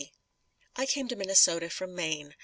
I came to Minnesota from Maine.